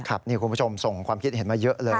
คุณผู้ชมส่งความคิดเห็นมาเยอะเลย